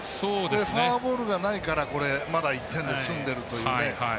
フォアボールがないから１点で済んでるというね。